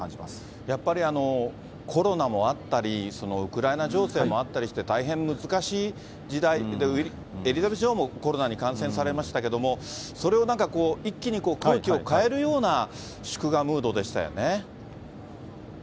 やっぱりコロナもあったり、ウクライナ情勢もあったりして、大変難しい時代で、エリザベス女王もコロナに感染されましたけれども、それをなんかこう、一気に空気を変えるような祝賀ムードでしたよね。